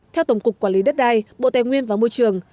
theo tổng cục quản lý đất đai bộ tài nguyên và môi trường